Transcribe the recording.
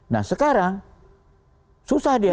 nah sekarang susah dia